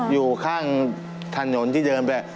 อยู่ข้างถนนที่เดินไป